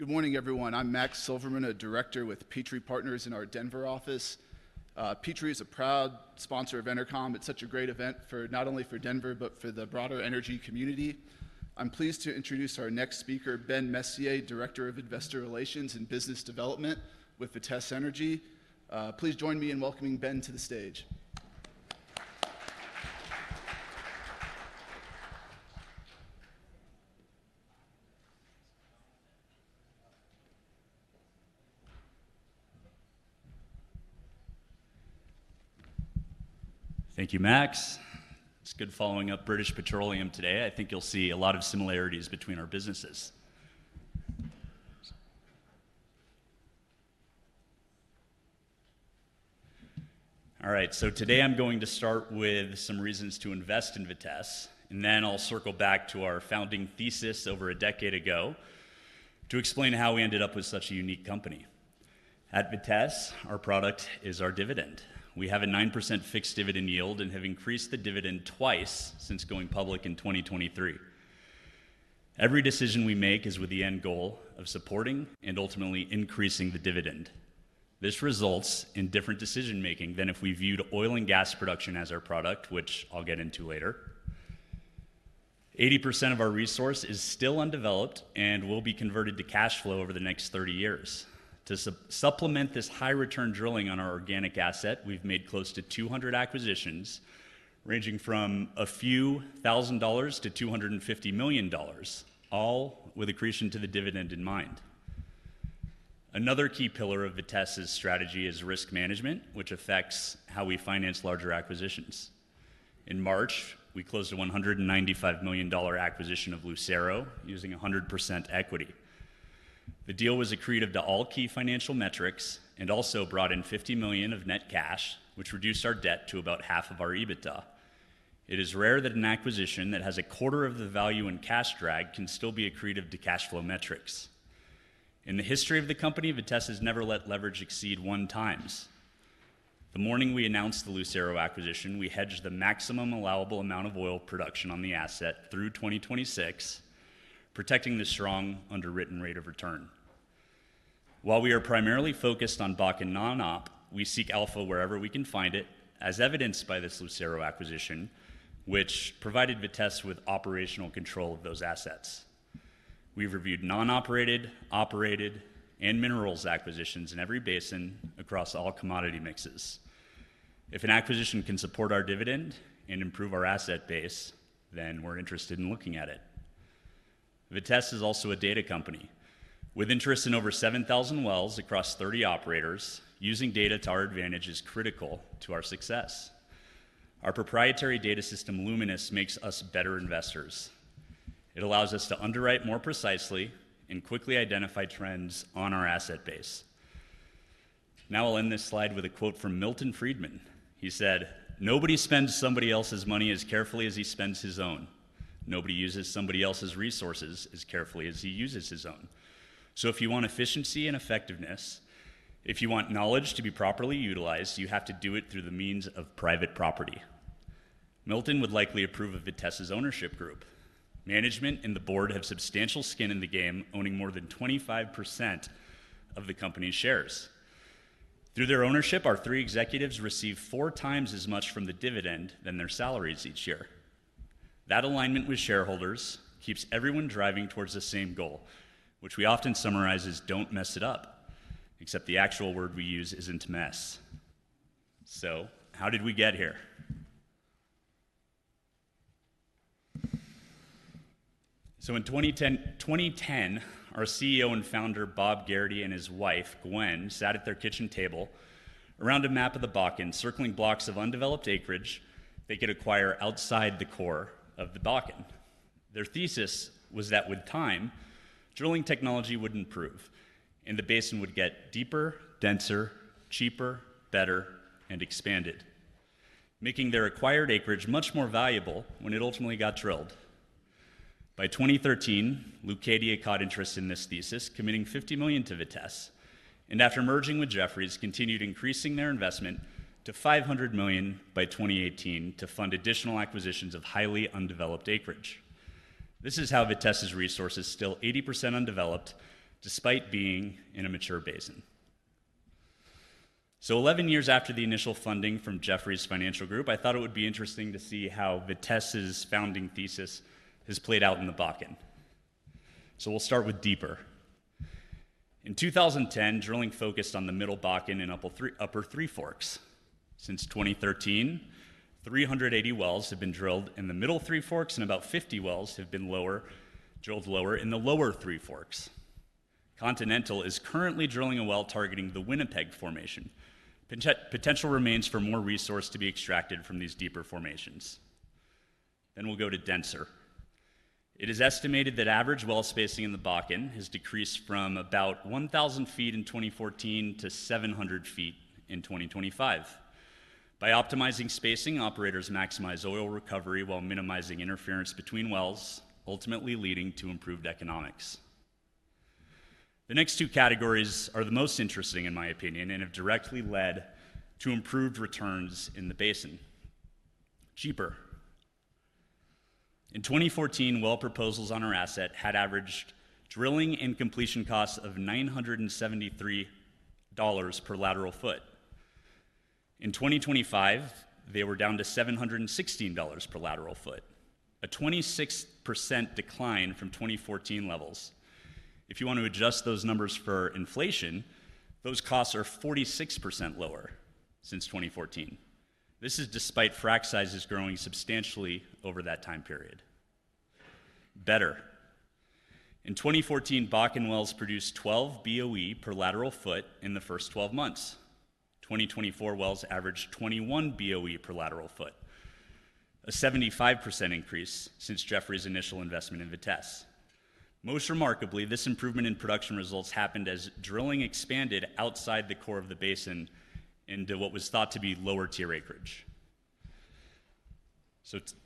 Good morning, everyone. I'm Max Silverman, a Director with Petrie Partners in our Denver office. Petrie is a proud sponsor of Intercom. It's such a great event not only for Denver but for the broader energy community. I'm pleased to introduce our next speaker, Ben Messier, Director of Investor Relations and Business Development with Vitesse Energy. Please join me in welcoming Ben to the stage. Thank you, Max. It's good following up British Petroleum today. I think you'll see a lot of similarities between our businesses. All right, today I'm going to start with some reasons to invest in Vitesse, and then I'll circle back to our founding thesis over a decade ago to explain how we ended up with such a unique company. At Vitesse, our product is our dividend. We have a 9% fixed dividend yield and have increased the dividend twice since going public in 2023. Every decision we make is with the end goal of supporting and ultimately increasing the dividend. This results in different decision-making than if we viewed oil and gas production as our product, which I'll get into later. 80% of our resource is still undeveloped and will be converted to cash flow over the next 30 years. To supplement this high-return drilling on our organic asset, we've made close to 200 acquisitions, ranging from a few thousand dollars to $250 million, all with accretion to the dividend in mind. Another key pillar of Vitesse's strategy is risk management, which affects how we finance larger acquisitions. In March, we closed a $195 million acquisition of Lucero using 100% equity. The deal was accretive to all key financial metrics and also brought in $50 million of net cash, which reduced our debt to about half of our EBITDA. It is rare that an acquisition that has a quarter of the value in cash drag can still be accretive to cash flow metrics. In the history of the company, Vitesse has never let leverage exceed 1x. The morning we announced the Lucero acquisition, we hedged the maximum allowable amount of oil production on the asset through 2026, protecting the strong underwritten rate of return. While we are primarily focused on Bakken and non-OP, we seek alpha wherever we can find it, as evidenced by this Lucero acquisition, which provided Vitesse with operational control of those assets. We've reviewed non-operated, operated, and minerals acquisitions in every basin across all commodity mixes. If an acquisition can support our dividend and improve our asset base, then we're interested in looking at it. Vitesse is also a data company. With interest in over 7,000 wells across 30 operators, using data to our advantage is critical to our success. Our proprietary data system, Luminous, makes us better investors. It allows us to underwrite more precisely and quickly identify trends on our asset base. Now I'll end this slide with a quote from Milton Friedman. He said, "Nobody spends somebody else's money as carefully as he spends his own. Nobody uses somebody else's resources as carefully as he uses his own." If you want efficiency and effectiveness, if you want knowledge to be properly utilized, you have to do it through the means of private property. Milton would likely approve of Vitesse's ownership group. Management and the board have substantial skin in the game, owning more than 25% of the company's shares. Through their ownership, our three executives receive 4x as much from the dividend than their salaries each year. That alignment with shareholders keeps everyone driving towards the same goal, which we often summarize as "don't mess it up," except the actual word we use isn't "to mess." How did we get here? In 2010, our CEO and founder, Bob Gerrity, and his wife, Gwen, sat at their kitchen table around a map of the Bakken and circled blocks of undeveloped acreage they could acquire outside the core of the Bakken. Their thesis was that with time, drilling technology would improve and the basin would get deeper, denser, cheaper, better, and expanded, making their acquired acreage much more valuable when it ultimately got drilled. By 2013, Leucadia caught interest in this thesis, committing $50 million to Vitesse, and after merging with Jefferies, continued increasing their investment to $500 million by 2018 to fund additional acquisitions of highly undeveloped acreage. This is how Vitesse's resource is still 80% undeveloped despite being in a mature basin. 11 years after the initial funding from Jefferies Financial Group, I thought it would be interesting to see how Vitesse's founding thesis has played out in the Bakken. We'll start with deeper. In 2010, drilling focused on the middle Bakken and upper three forks. Since 2013, 380 wells have been drilled in the middle three forks, and about 50 wells have been drilled lower in the lower three forks. Continental is currently drilling a well targeting the Winnipeg formation. Potential remains for more resource to be extracted from these deeper formations. Next, we'll go to denser. It is estimated that average well spacing in the Bakken has decreased from about 1,000 ft in 2014 to 700 ft in 2025. By optimizing spacing, operators maximize oil recovery while minimizing interference between wells, ultimately leading to improved economics. The next two categories are the most interesting, in my opinion, and have directly led to improved returns in the basin. Cheaper. In 2014, well proposals on our asset had averaged drilling and completion costs of $973 per lateral foot. In 2025, they were down to $716 per lateral foot, a 26% decline from 2014 levels. If you want to adjust those numbers for inflation, those costs are 46% lower since 2014. This is despite frac sizes growing substantially over that time period. Better. In 2014, Bakken wells produced 12 BOE per lateral foot in the first 12 months. 2024 wells averaged 21 BOE per lateral foot, a 75% increase since Jefferies' initial investment in Vitesse. Most remarkably, this improvement in production results happened as drilling expanded outside the core of the basin into what was thought to be lower tier acreage.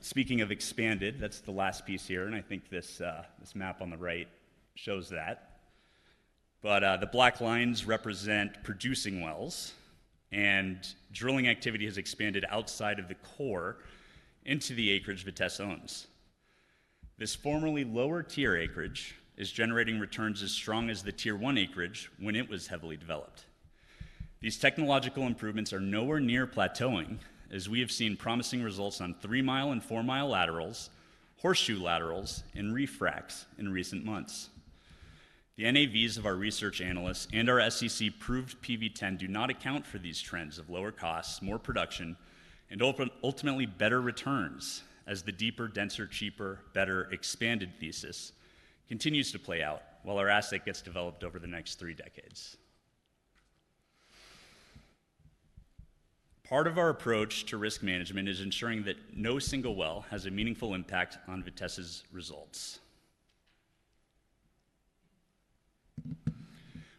Speaking of expanded, that's the last piece here, and I think this map on the right shows that. The black lines represent producing wells, and drilling activity has expanded outside of the core into the acreage Vitesse owns. This formerly lower tier acreage is generating returns as strong as the tier 1 acreage when it was heavily developed. These technological improvements are nowhere near plateauing, as we have seen promising results on 3 mi and 4 mi laterals, horseshoe laterals, and reef fracs in recent months. The NAVs of our research analysts and our SEC-approved PV10 do not account for these trends of lower costs, more production, and ultimately better returns, as the deeper, denser, cheaper, better, expanded thesis continues to play out while our asset gets developed over the next three decades. Part of our approach to risk management is ensuring that no single well has a meaningful impact on Vitesse's results.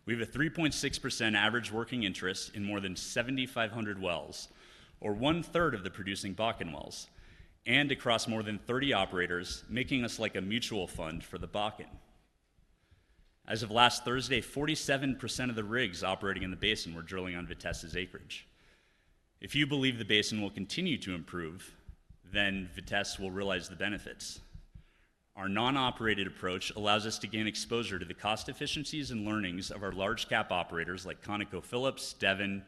We have a 3.6% average working interest in more than 7,500 wells, or one-third of the producing Bakken wells, and across more than 30 operators, making us like a mutual fund for the BOC. As of last Thursday, 47% of the rigs operating in the basin were drilling on Vitesse's acreage. If you believe the basin will continue to improve, then Vitesse will realize the benefits. Our non-operated approach allows us to gain exposure to the cost efficiencies and learnings of our large-cap operators like ConocoPhillips, Devon,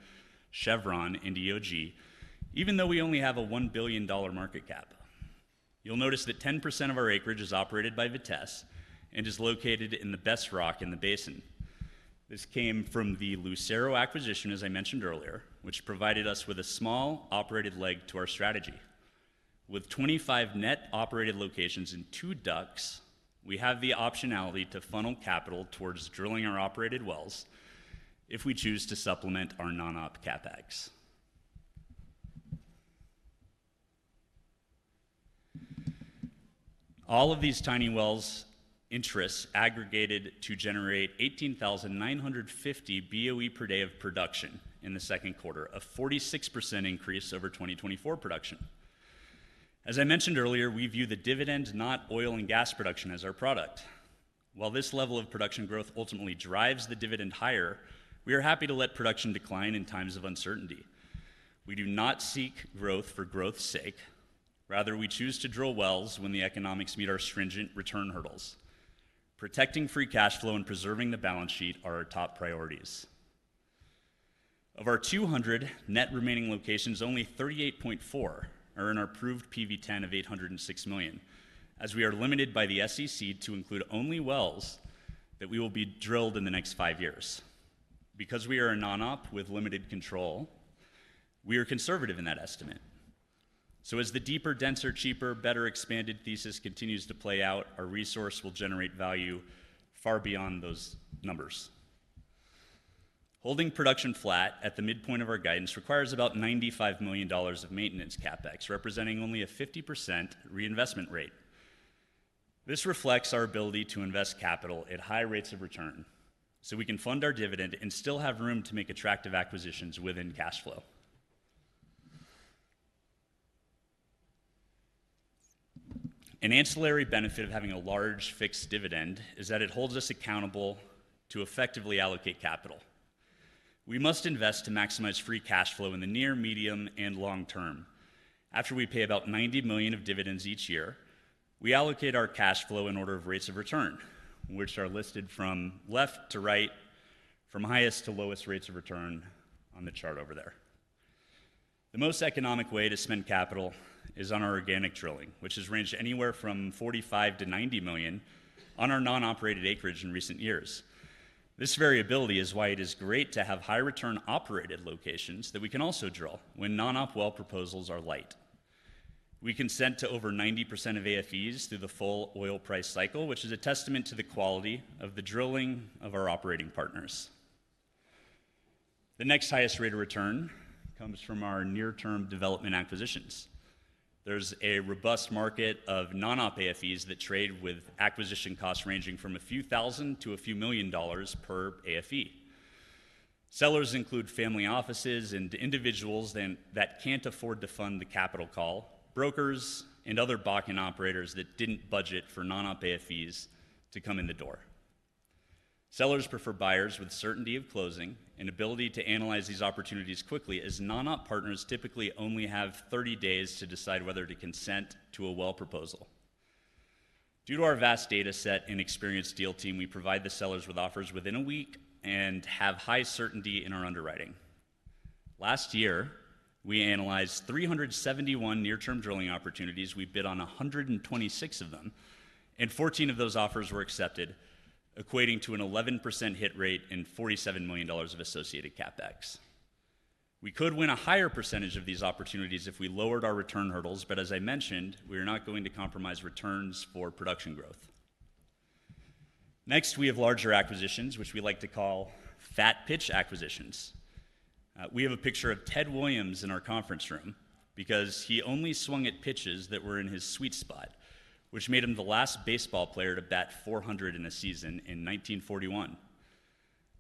Chevron, and DOG, even though we only have a $1 billion market cap. You'll notice that 10% of our acreage is operated by Vitesse, and it is located in the best rock in the basin. This came from the Lucero acquisition, as I mentioned earlier, which provided us with a small operated leg to our strategy. With 25 net operated locations in two ducts, we have the optionality to funnel capital towards drilling our operated wells if we choose to supplement our non-op CapEx. All of these tiny wells' interests aggregated to generate 18,950 BOE per day of production in the second quarter, a 46% increase over 2024 production. As I mentioned earlier, we view the dividend, not oil and gas production, as our product. While this level of production growth ultimately drives the dividend higher, we are happy to let production decline in times of uncertainty. We do not seek growth for growth's sake; rather, we choose to drill wells when the economics meet our stringent return hurdles. Protecting free cash flow and preserving the balance sheet are our top priorities. Of our 200 net remaining locations, only 38.4 are in our approved PV10 of $806 million, as we are limited by the SEC to include only wells that will be drilled in the next five years. Because we are a non-op with limited control, we are conservative in that estimate. As the deeper, denser, cheaper, better expanded thesis continues to play out, our resource will generate value far beyond those numbers. Holding production flat at the midpoint of our guidance requires about $95 million of maintenance CapEx, representing only a 50% reinvestment rate. This reflects our ability to invest capital at high rates of return, so we can fund our dividend and still have room to make attractive acquisitions within cash flow. An ancillary benefit of having a large fixed dividend is that it holds us accountable to effectively allocate capital. We must invest to maximize free cash flow in the near, medium, and long term. After we pay about $90 million of dividends each year, we allocate our cash flow in order of rates of return, which are listed from left to right, from highest to lowest rates of return on the chart over there. The most economic way to spend capital is on our organic drilling, which has ranged anywhere from $45 million-$90 million on our non-operated acreage in recent years. This variability is why it is great to have high-return operated locations that we can also drill when non-op well proposals are light. We consent to over 90% of AFEs through the full oil price cycle, which is a testament to the quality of the drilling of our operating partners. The next highest rate of return comes from our near-term development acquisitions. There's a robust market of non-OP AFEs that trade with acquisition costs ranging from a few thousand to a few million dollars per AFE. Sellers include family offices and individuals that can't afford to fund the capital call, brokers, and other Bakken and operators that didn't budget for non-OP AFEs to come in the door. Sellers prefer buyers with certainty of closing and ability to analyze these opportunities quickly, as non-OP partners typically only have 30 days to decide whether to consent to a well proposal. Due to our vast data set and experienced deal team, we provide the sellers with offers within a week and have high certainty in our underwriting. Last year, we analyzed 371 near-term drilling opportunities. We bid on 126 of them, and 14 of those offers were accepted, equating to an 11% hit rate and $47 million of associated CapEx. We could win a higher percentage of these opportunities if we lowered our return hurdles, but as I mentioned, we are not going to compromise returns for production growth. Next, we have larger acquisitions, which we like to call fat pitch acquisitions. We have a picture of Ted Williams in our conference room because he only swung at pitches that were in his sweet spot, which made him the last baseball player to bat 400 in a season in 1941.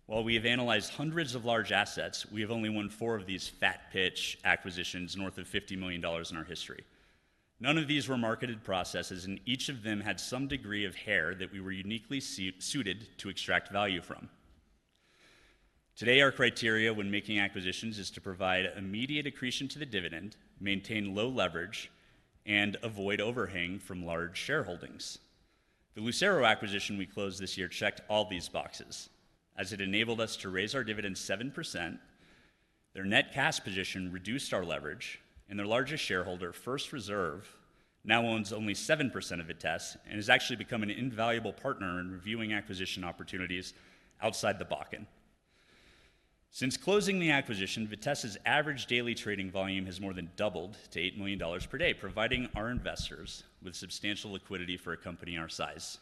While we have analyzed hundreds of large assets, we have only won four of these fat pitch acquisitions north of $50 million in our history. None of these were marketed processes, and each of them had some degree of hair that we were uniquely suited to extract value from. Today, our criteria when making acquisitions is to provide immediate accretion to the dividend, maintain low leverage, and avoid overhang from large shareholdings. The Lucero acquisition we closed this year checked all these boxes, as it enabled us to raise our dividend 7%. Their net cash position reduced our leverage, and their largest shareholder, First Reserve, now owns only 7% of Vitesse, and has actually become an invaluable partner in reviewing acquisition opportunities outside the Bakken. Since closing the acquisition, Vitesse, its average daily trading volume has more than doubled to $8 million per day, providing our investors with substantial liquidity for a company our size.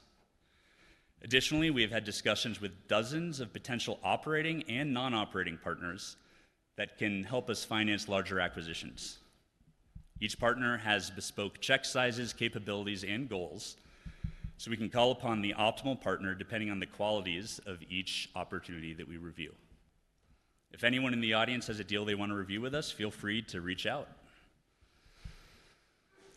Additionally, we have had discussions with dozens of potential operating and non-operating partners that can help us finance larger acquisitions. Each partner has bespoke check sizes, capabilities, and goals, so we can call upon the optimal partner depending on the qualities of each opportunity that we review. If anyone in the audience has a deal they want to review with us, feel free to reach out.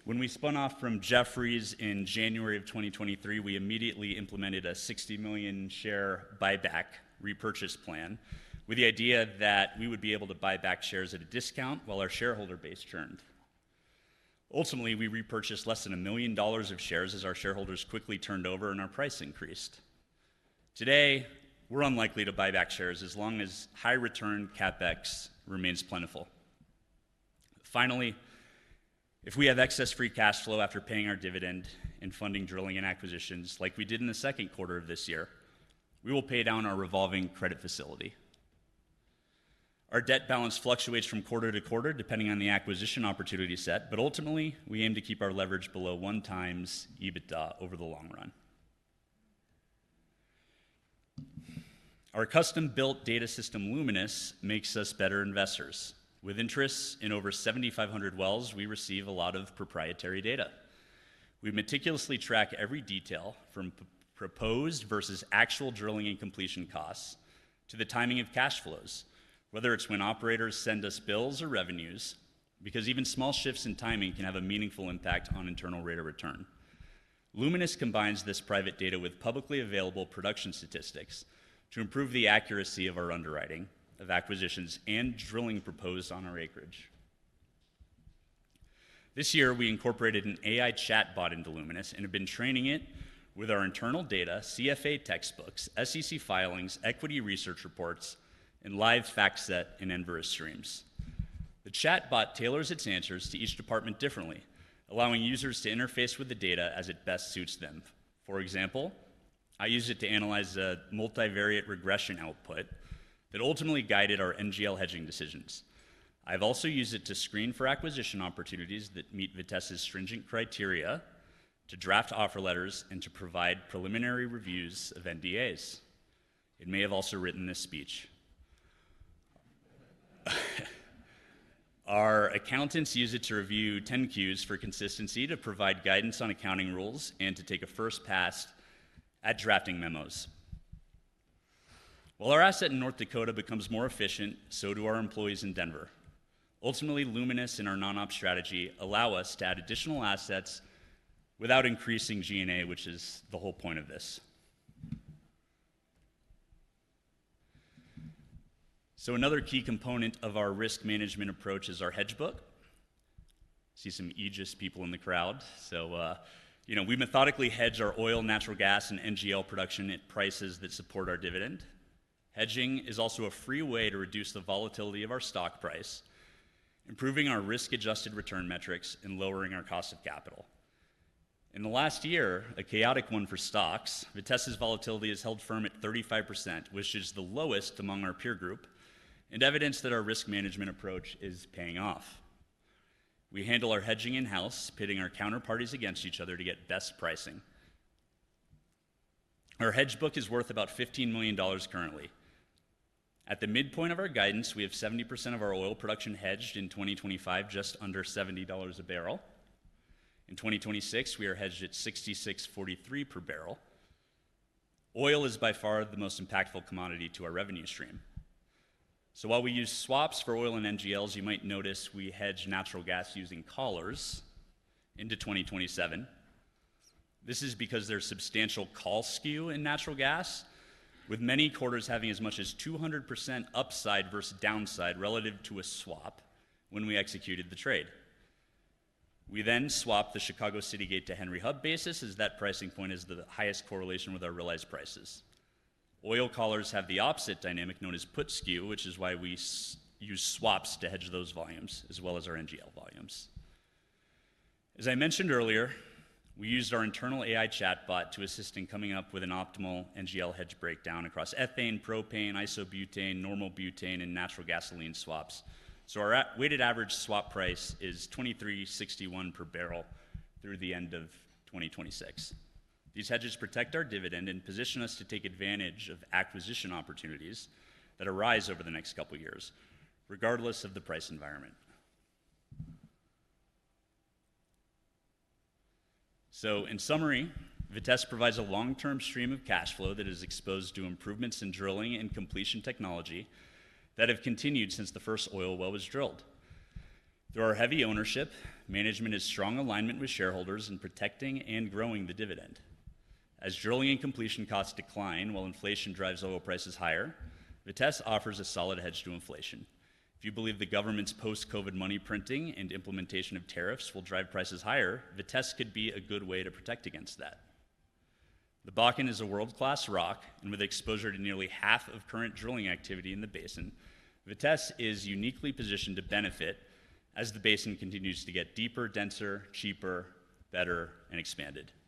When we spun off from Jefferies in January of 2023, we immediately implemented a $60 million share buyback repurchase plan with the idea that we would be able to buy back shares at a discount while our shareholder base churned. Ultimately, we repurchased less than $1 million of shares as our shareholders quickly turned over and our price increased. Today, we're unlikely to buy back shares as long as high-return CapEx remains plentiful. Finally, if we have excess free cash flow after paying our dividend and funding drilling and acquisitions like we did in the second quarter of this year, we will pay down our revolving credit facility. Our debt balance fluctuates from quarter to quarter depending on the acquisition opportunity set, but ultimately, we aim to keep our leverage below 1x EBITDA over the long run. Our custom-built data system, Luminous, makes us better investors. With interests in over 7,500 wells, we receive a lot of proprietary data. We meticulously track every detail from proposed versus actual drilling and completion costs to the timing of cash flows, whether it's when operators send us bills or revenues, because even small shifts in timing can have a meaningful impact on internal rate of return. Luminous combines this private data with publicly available production statistics to improve the accuracy of our underwriting of acquisitions and drilling proposed on our acreage. This year, we incorporated an AI chatbot into Luminous and have been training it with our internal data, CFA textbooks, SEC filings, equity research reports, and live FactSet and Enverus streams. The chatbot tailors its answers to each department differently, allowing users to interface with the data as it best suits them. For example, I use it to analyze the multivariate regression output that ultimately guided our NGL hedging decisions. I've also used it to screen for acquisition opportunities that meet Vitesse's stringent criteria, to draft offer letters, and to provide preliminary reviews of NDAs. It may have also written this speech. Our accountants use it to review 10-Qs for consistency, to provide guidance on accounting rules, and to take a first pass at drafting memos. While our asset in North Dakota becomes more efficient, so do our employees in Denver. Ultimately, Luminous and our non-operated strategy allow us to add additional assets without increasing G&A, which is the whole point of this. Another key component of our risk management approach is our hedge book. I see some egist people in the crowd, so you know we methodically hedge our oil, natural gas, and NGL production at prices that support our dividend. Hedging is also a free way to reduce the volatility of our stock price, improving our risk-adjusted return metrics and lowering our cost of capital. In the last year, a chaotic one for stocks, Vitesse's volatility has held firm at 35%, which is the lowest among our peer group and evidence that our risk management approach is paying off. We handle our hedging in-house, pitting our counterparties against each other to get best pricing. Our hedge book is worth about $15 million currently. At the midpoint of our guidance, we have 70% of our oil production hedged in 2025, just under $70 a barrel. In 2026, we are hedged at $66.43 per barrel. Oil is by far the most impactful commodity to our revenue stream. While we use swaps for oil and NGLs, you might notice we hedge natural gas using collars into 2027. This is because there's substantial call skew in natural gas, with many quarters having as much as 200% upside versus downside relative to a swap when we executed the trade. We then swap the Chicago Citygate to Henry Hub basis as that pricing point is the highest correlation with our realized prices. Oil collars have the opposite dynamic known as put skew, which is why we use swaps to hedge those volumes as well as our NGL volumes. As I mentioned earlier, we used our internal AI chatbot to assist in coming up with an optimal NGL hedge breakdown across ethane, propane, isobutane, normal butane, and natural gasoline swaps. Our weighted average swap price is $23.61 per barrel through the end of 2026. These hedges protect our dividend and position us to take advantage of acquisition opportunities that arise over the next couple of years, regardless of the price environment. In summary, Vitesse provides a long-term stream of cash flow that is exposed to improvements in drilling and completion technology that have continued since the first oil well was drilled. Through our heavy ownership, management has strong alignment with shareholders in protecting and growing the dividend. As drilling and completion costs decline while inflation drives oil prices higher, Vitesse offers a solid hedge to inflation. If you believe the government's post-COVID money printing and implementation of tariffs will drive prices higher, Vitesse could be a good way to protect against that. The Bakken is a world-class rock, and with exposure to nearly half of current drilling activity in the basin, Vitesse is uniquely positioned to benefit as the basin continues to get deeper, denser, cheaper, better, and expanded. Thanks.